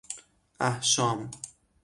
احشام